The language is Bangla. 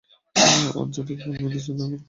আদ জাতিকে আপনি বৃষ্টি দান করুন, যা আপনার মর্জি হয়।